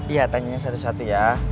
iya tanya satu satu ya